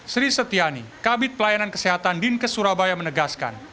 sri setiani kabit pelayanan kesehatan din ke surabaya menegaskan